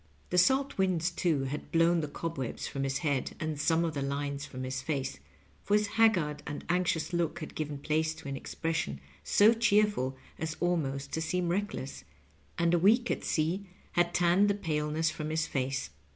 The salt winds, too, had blown the cobwebs from his head and some of the lines from his face, for his haggard and anxious look had given place to an expression so cheerful as almost to seem reckless, and a week at sea had tanned the paleness from his face.